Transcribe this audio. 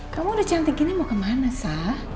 kamu udah cantik gini mau kemana sa